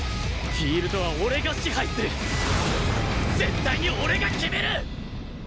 フィールドは俺が支配する絶対に俺が決める！